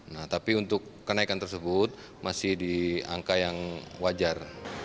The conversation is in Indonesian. nah tapi untuk kenaikan tersebut masih di angka yang wajar